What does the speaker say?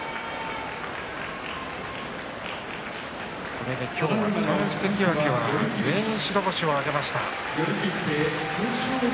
これで３関脇は全員白星を挙げました。